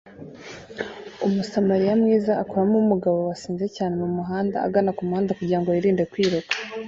Umusamariya mwiza akuramo umugabo wasinze cyane mumuhanda agana kumuhanda kugirango yirinde kwiruka